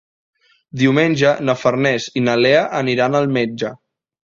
Diumenge na Farners i na Lea aniran al metge.